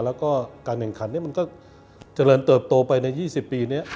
แล้วก็การแข่งขันมันก็เจริญเติบโตไปใน๒๐ปีนี้